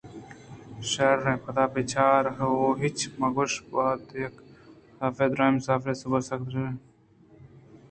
شیر ءِ پداں بِہ چار ءُ ہچّ مہ گوٛش بَہت یک مُسافِرئے دوریں سفرے ءِسوب ءَ سکّ ژَند ءُ ژُول بُوت